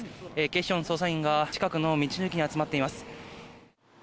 警視庁の捜査員が近くの道の駅に集まっています。